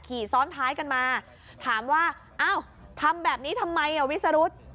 ขี่ซ้อนท้ายกันมาถามว่าอ้าวทำแบบนี้ทำไมวิสรุธ